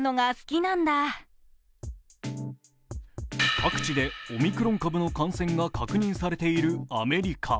各地でオミクロン株の感染が確認されているアメリカ。